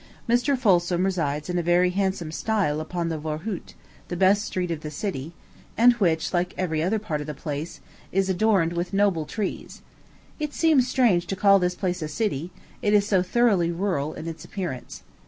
Mr. Folsom resides in very handsome style upon the Voorhout, the best street of the city, and which, like every other part of the place, is adorned with noble trees. It seems strange to call this place a city, it is so thoroughly rural in its appearance.